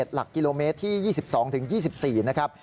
หลักกิโลเมตรที่๒๒๒๔นะครับ